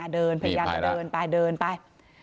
เดินพยายามจะเดินไป